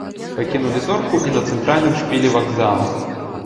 Пакінулі зорку і на цэнтральным шпілі вакзала.